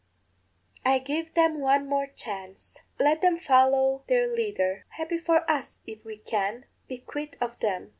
_I give them one more chance; let them follow their leader. Happy for us if we can be quit of them!